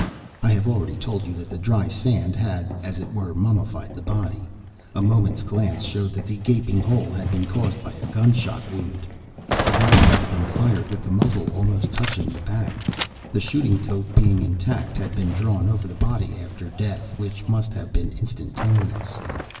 I have already told you that the dry sand had, as it were, mummified the body. A moment's glance showed that the gaping hole had been caused by a gun shot wound; the gun must have been fired with the muzzle almost touching the back. The shooting coat, being intact, had been drawn over the body after death, which must have been instantaneous.